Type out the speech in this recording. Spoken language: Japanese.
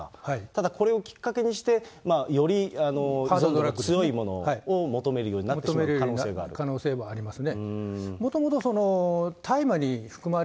ただこれをきっかけにして、より強いものを求めるようになる可能可能性もありますね。